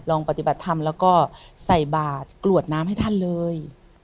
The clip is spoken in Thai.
ปฏิบัติธรรมแล้วก็ใส่บาทกรวดน้ำให้ท่านเลย